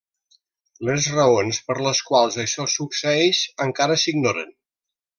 Les raons per les quals això succeeix encara s'ignoren.